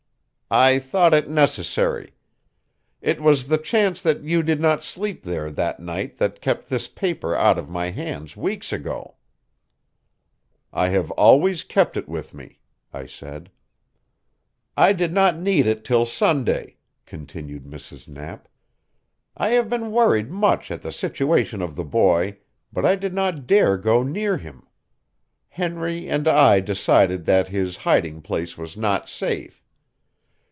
"I thought it necessary. It was the chance that you did not sleep there that night that kept this paper out of my hands weeks ago." "I have always kept it with me," I said. "I did not need it till Sunday," continued Mrs. Knapp. "I have been worried much at the situation of the boy, but I did not dare go near him. Henry and I decided that his hiding place was not safe.